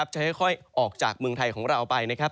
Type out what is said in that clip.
จะค่อยออกจากเมืองไทยของเราไปนะครับ